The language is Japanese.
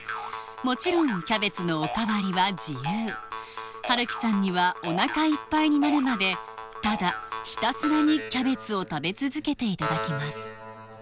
もちろんキャベツのおかわりは自由ハルキさんにはおなかいっぱいになるまでただひたすらにキャベツを食べ続けていただきます